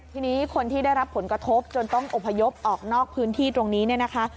ทีนี้คนที่ได้รับผลกระทบจนต้องอบพยพออกนอกพื้นที่ตรงนี้เนี่ยนะคะ